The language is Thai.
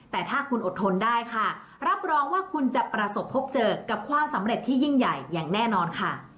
แต่ถ้าคุณอดทนได้ค่ะรับรองว่าคุณจะประสบพบเจอกับความสำเร็จที่ยิ่งใหญ่อย่างแน่นอนค่ะ